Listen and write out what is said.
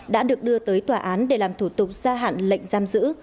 đã được đưa tới tòa án để làm thủ tục gia hạn lệnh giam giữ